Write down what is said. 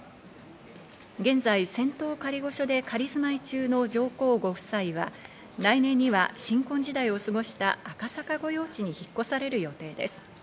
現在、仙洞仮御所で仮住まい中の上皇ご夫妻は来年には新婚時代を過ごした赤坂御用地に引っ越される予定です。